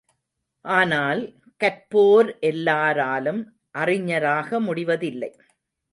ஆனால், கற்போர் எல்லாராலும் அறிஞராக முடிவதில்லை.